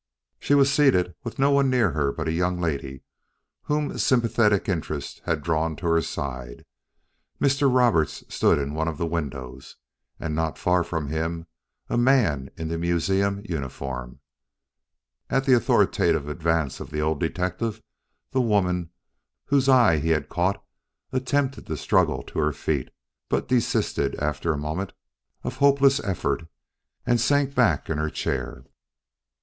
She was seated with no one near her but a young lady whom sympathetic interest had drawn to her side. Mr. Roberts stood in one of the windows, and not far from him a man in the museum uniform. At the authoritative advance of the old detective, the woman, whose eye he had caught, attempted to struggle to her feet, but desisted after a moment of hopeless effort, and sank back in her chair.